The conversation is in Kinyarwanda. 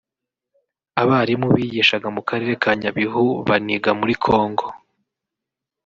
abarimu bigishaga mu karere ka Nyabihu baniga muri Congo